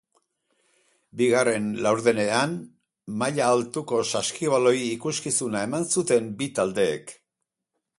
Bigarren laurdenean maila altuko saskibaloi ikuskizuna eman zuten bi taldeek.